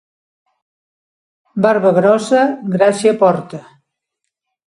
Barba grossa gràcia porta.